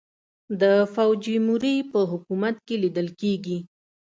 د فوجیموري په حکومت کې لیدل کېږي.